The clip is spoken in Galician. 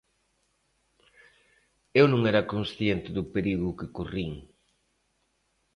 Eu non era consciente do perigo que corrín.